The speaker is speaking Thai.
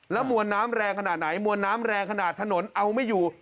มวลน้ำแรงขนาดไหนมวลน้ำแรงขนาดถนนเอาไม่อยู่